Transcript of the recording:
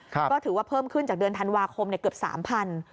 ก็ถือว่าเพิ่มขึ้นจากเดือนธันวาคมเกือบ๓๐๐บาท